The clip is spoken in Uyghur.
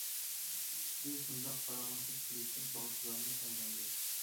ئىككىسى شۇنداق پاراڭلىشىپ كۈلۈشۈپ باغچىلارنى ئايلاندى.